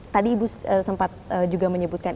tadi ibu sempat juga menyebutkan